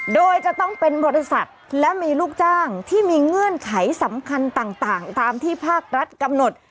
โดยจะต้องเป็นบริษัทและมีลูกจ้างที่มีเงื่อนไขสำคัญต่างตามที่ภาครัฐกำหนด